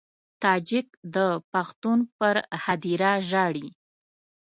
تاجک د پښتون پر هدیره ژاړي.